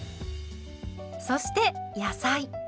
そして野菜。